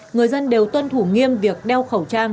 người dân đều tuân thủ nghiêm việc đeo khẩu trang